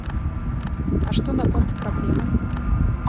А што наконт праблемаў?